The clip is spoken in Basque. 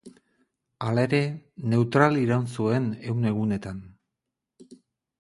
Hala ere, neutral iraun zuen Ehun Egunetan.